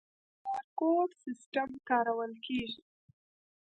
د بارکوډ سیستم کارول کیږي؟